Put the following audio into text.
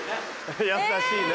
優しいな。